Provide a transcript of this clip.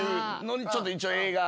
ちょっと一応映画。